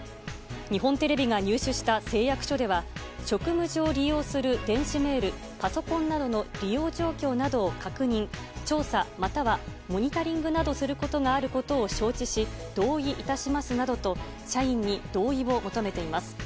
日本テレビが入手した誓約書では職務上利用する電子メールパソコンなどの利用状況などを確認調査またはモニタリングなどすることがあることを承知し同意いたしますなどと社員に同意を求めています。